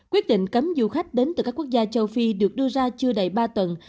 quyết định cấm du khách đến từ các quốc gia châu phi được đưa ra chưa đầy ba tuần